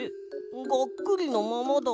がっくりのままだ。